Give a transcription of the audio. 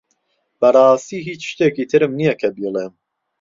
بەڕاستی هیچ شتێکی ترم نییە کە بیڵێم.